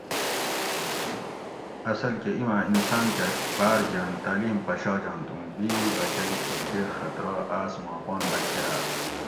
اصل کہ ایما انسان کہ باۤر گاۤن تعلیم پشاجنت اُوں بیوی بچئ تھوں کیر خطرہ آس ما اپان بچ کراۤ